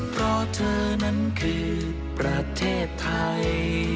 เพราะเธอนั้นคือประเทศไทย